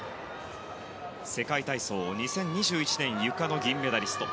世界体操２０２１年ゆかの銀メダリスト。